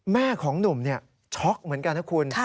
แม่ของหนุ่มช็อกเหมือนกันนะคุณ